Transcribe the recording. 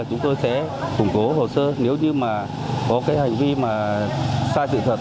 chúng tôi sẽ củng cố hồ sơ nếu như mà có cái hành vi mà sai sự thật